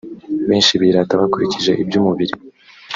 benshi birata bakurikije iby umubiri